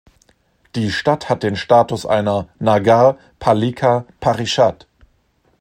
Die Stadt hat den Status einer "Nagar Palika Parishad".